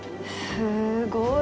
すごい。